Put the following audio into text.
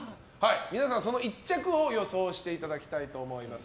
皆さん、その１着を予想していただきたいと思います。